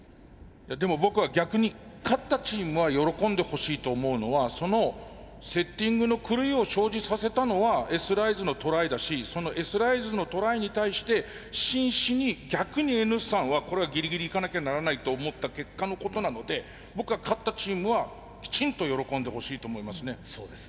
でも僕は逆に勝ったチームは喜んでほしいと思うのはそのセッティングの狂いを生じさせたのはＳライズのトライだしそのＳライズのトライに対して真摯に逆にＮ産はこれはギリギリいかなきゃならないと思った結果のことなので僕は勝ったチームはきちんと喜んでほしいと思いますね。